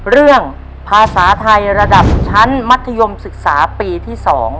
เรื่องภาษาไทยระดับชั้นมัธยมศึกษาปีที่๒